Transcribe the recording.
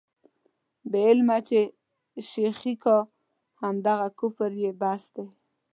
بې علمه چې شېخي کا، همدغه کفر یې بس دی.